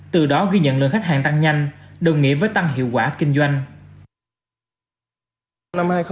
từ đó ghi nhận lượng khách hàng tăng nhanh đồng nghĩa với tăng hiệu quả kinh doanh